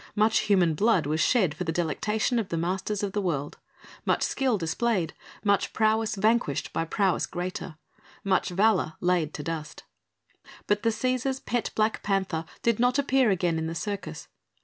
Much human blood was shed for the delectation of the masters of the world, much skill displayed, much prowess vanquished by prowess greater, much valour laid to dust. But the Cæsar's pet black panther did not appear again in the Circus.